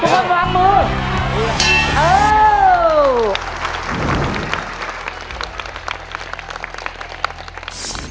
ทุกคนวางมือ